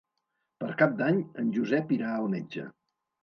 Per Cap d'Any en Josep irà al metge.